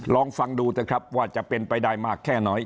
ลองฟังดูว่าจะเป็นไปได้มากแค่น้อย